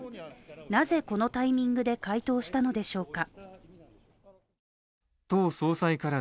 なぜこのタイミングで回答したのでしょうか。